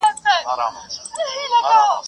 سړي وویل حاکمه ستا قربان سم.